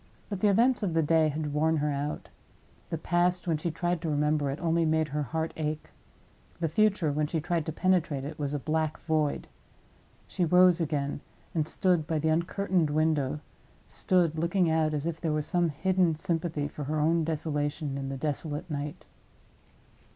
But the events of the day had worn her out. The past, when she tried to remember it, only made her heart ache. The future, when she tried to penetrate it, was a black void. She rose again, and stood by the uncurtained window—stood looking out, as if there was some hidden sympathy for her own desolation in the desolate night.